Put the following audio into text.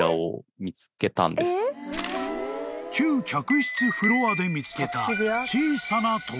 ［旧客室フロアで見つけた］